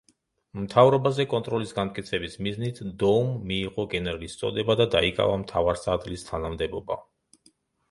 მთავრობაზე კონტროლის განმტკიცების მიზნით დოუმ მიიღო გენერლის წოდება და დაიკავა მთავარსარდლის თანამდებობა.